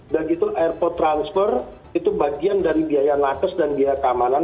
dan itu airport transfer itu bagian dari biaya lakas dan biaya keamanan